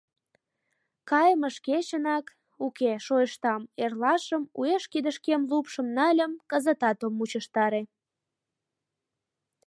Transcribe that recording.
Кайымыж кечынак... уке, шойыштам, эрлашым, уэш кидышкем лупшым нальым, кызытат ом мучыштаре...»